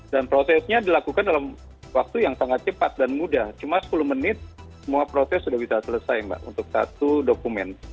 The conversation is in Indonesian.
dan prosesnya dilakukan dalam waktu yang sangat cepat dan mudah cuma sepuluh menit semua proses sudah bisa selesai mbak untuk satu dokumen